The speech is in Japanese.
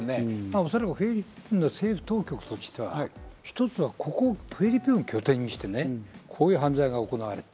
おそらくフィリピンの政府当局としては１つは、ここフィリピンを拠点にして、こういう犯罪が行われた。